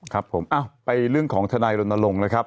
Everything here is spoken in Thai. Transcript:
ครับผมไปเรื่องของทนายรณรงค์นะครับ